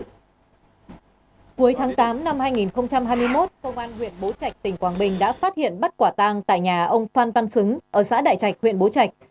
cuối tháng tám năm hai nghìn hai mươi một công an huyện bộ trách tỉnh quảng bình đã phát hiện bắt quả tang tại nhà ông phan văn xứng ở xã đại trạch huyện bộ trách